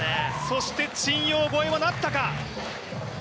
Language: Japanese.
そして陳ヨウ超えはなったか。